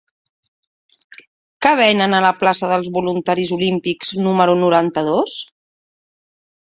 Què venen a la plaça dels Voluntaris Olímpics número noranta-dos?